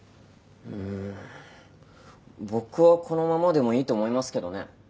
うーん僕はこのままでもいいと思いますけどね。